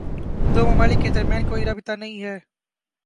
دو ممالک کے درمیان کوئی رابطہ نہیں ہے۔